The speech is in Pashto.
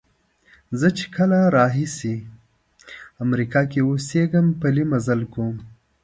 زه چې کله راهیسې امریکا کې اوسېږم پلی مزل کوم.